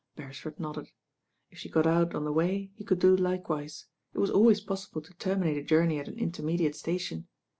Beresford nodded. If she got out on the way he could do likewise. It was always possible to termmate a journey at an intermediate station.